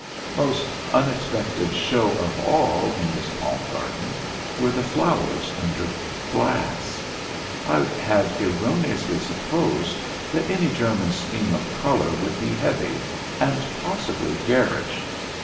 Most unexpected show of all in this Palm Garden were the flowers under glass. I had erroneously supposed that any German scheme of color would be heavy, and possibly garish.